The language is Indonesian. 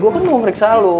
gue kan mau ngeriksa lo